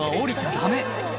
ダメ